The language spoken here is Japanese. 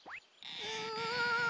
うん。